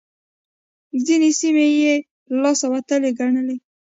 ځينې سيمې يې له لاسه وتلې ګڼلې.